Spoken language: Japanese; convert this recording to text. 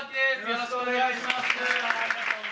よろしくお願いします。